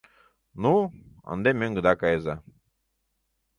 Ну, ынде мӧҥгыда кайыза.